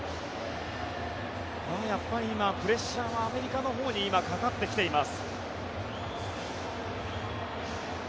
やっぱり今、プレッシャーはアメリカのほうにかかってきています。